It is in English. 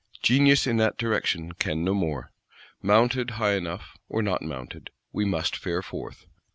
Genius in that direction can no more: mounted high enough, or not mounted, we must fare forth.